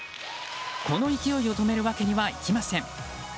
この勢いを止めるわけにはいきません。